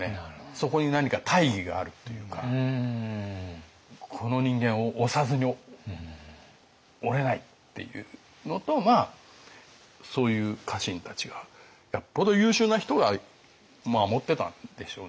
そこに何か大義があるというかこの人間を推さずにおれないっていうのとそういう家臣たちがよっぽど優秀な人が守ってたんでしょうね。